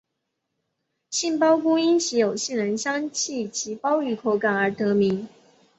杏鲍菇因其有杏仁香气及鲍鱼口感而得名。